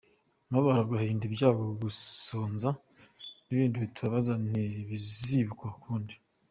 Umubabaro agahinda ibyago gusonza n’ibindi bitubabaza ntibizibukwa ukundi.